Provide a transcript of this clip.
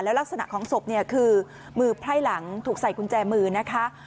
ลักษณะของศพเนี่ยคือมือไพร่หลังถูกใส่กุญแจมือนะคะ